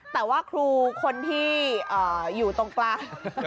แต่ว่าครูคนที่อยู่ตรงกลาง